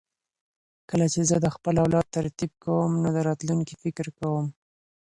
کله چې زه د خپل اولاد تربیت کوم نو د راتلونکي فکر کوم.